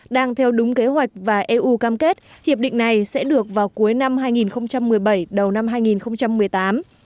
đang theo đúng kế hoạch và eu cam kết hiệp định này sẽ được vào cuối năm hai nghìn một mươi bảy đầu năm hai nghìn một mươi tám